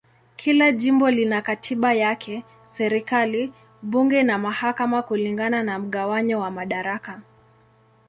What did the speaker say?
Kila jimbo lina katiba yake, serikali, bunge na mahakama kulingana na mgawanyo wa madaraka.